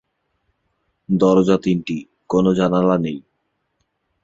দরজা তিনটি, কোন জানালা নেই।